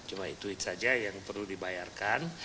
cuma itu saja yang perlu dibayarkan